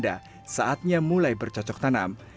ada saatnya mulai bercocok tanam